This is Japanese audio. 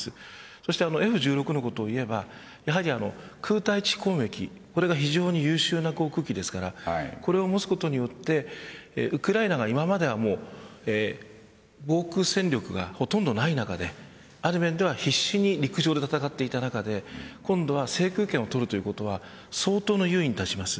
そしてＦ−１６のことを言えば空対地攻撃それが優秀な航空機ですからこれを持つことによってウクライナが、今までは防空戦力がほとんどない中である面では必死に陸上で戦っていた中で、今度は制空権を取るということは相当、優位に立ちます。